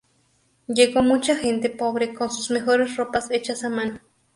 Llegó mucha gente pobre con sus mejores ropas hechas a mano.